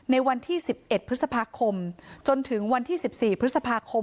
ในวันที่๑๑พฤษภาคมจนถึงวันที่๑๔พฤษภาคม